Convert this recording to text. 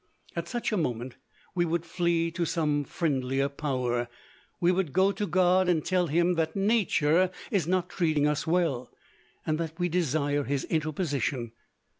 At such a moment we would flee to some friendlier power. We would go to God and tell Him that Nature is not treating us well, and that we desire His interposition.